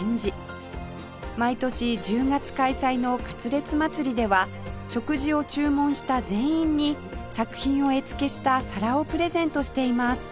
毎年１０月開催のかつれつ祭りでは食事を注文した全員に作品を絵付けした皿をプレゼントしています